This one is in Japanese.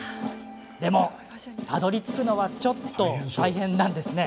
でも、たどりつくのはちょっと大変なんです。